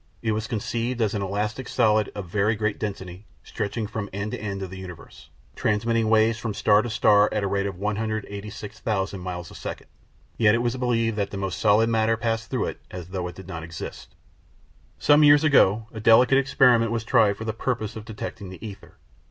It was conceived as an elastic solid of very great density, stretching from end to end of the universe, transmitting waves from star to star at the rate of 186,000 miles a second; yet it was believed that the most solid matter passed through it as if it did not exist. Some years ago a delicate experiment was tried for the purpose of detecting the ether.